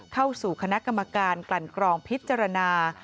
เข้าสู่คณะกรรมการกลั่นกรองพิจารณา